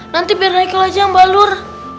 nanti biar haikal aja yang balur